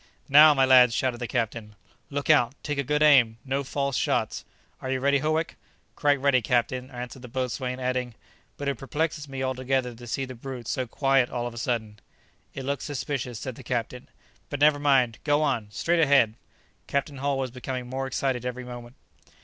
"Now, my lads!" shouted the captain. "Look out! take a good aim! no false shots! Are you ready, Howick?" "Quite ready, captain," answered the boatswain, adding, "but it perplexes me altogether to see the brute so quiet all of a sudden." "It looks suspicious," said the captain; "but never mind; go on! straight ahead!" Captain Hull was becoming more excited every moment.